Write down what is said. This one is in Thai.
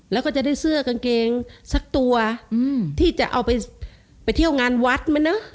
แล้วก็จะได้เสื้อกางเกงสักตัวที่จะเอาไปเที่ยวงานวัดมันเนอะ